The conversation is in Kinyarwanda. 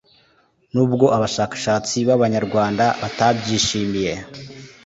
Nubwo abashakashatsi b’Abanyarwanda batabyishimye